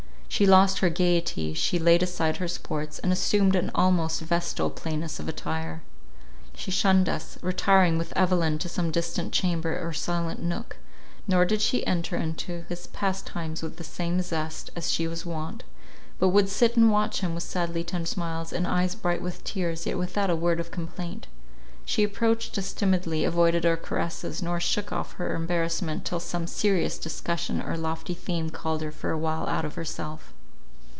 She lost her gaiety, she laid aside her sports, and assumed an almost vestal plainness of attire. She shunned us, retiring with Evelyn to some distant chamber or silent nook; nor did she enter into his pastimes with the same zest as she was wont, but would sit and watch him with sadly tender smiles, and eyes bright with tears, yet without a word of complaint. She approached us timidly, avoided our caresses, nor shook off her embarrassment till some serious discussion or lofty theme called her for awhile out of herself.